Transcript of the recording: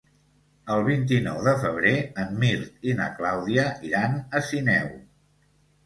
El vint-i-nou de febrer en Mirt i na Clàudia iran a Sineu.